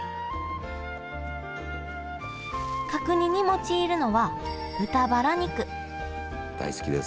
角煮に用いるのは豚バラ肉大好きです。